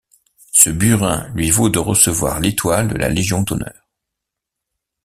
Ce burin lui vaut de recevoir l'étoile de la légion d'honneur.